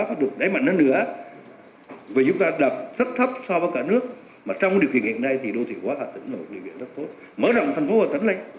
phát biểu tại buổi làm việc thủ tướng yêu cầu tỉnh hà tĩnh cần có chiều nhanh hơn